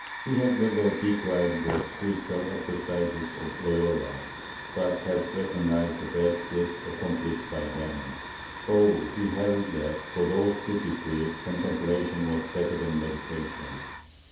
He had never decried the Spiritual Exercises of Loyola, but had recognized the vast good accom plished by them, though he held that, for those suited to it, con templation was better than meditation.